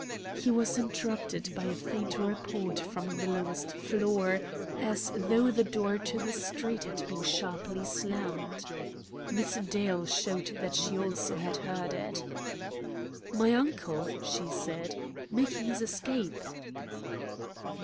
He was interrupted by a faint report from the lowest floor, as though the door to the street had been sharply slammed. Miss Dale showed that she also had heard it. "My uncle," she said, "making his escape!"